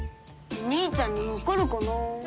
お兄ちゃんにわかるかな？